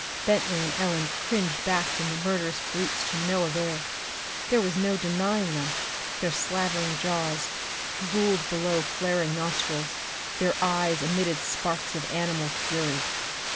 Bentley and Ellen cringed back from the murderous brutes to no avail. There was no denying them. Their slavering jaws, drooled below flaring nostrils, their eyes emitted sparks of animal fury.